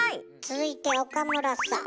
続いて岡村さぁ。